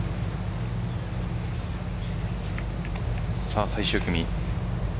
さあ、最終組。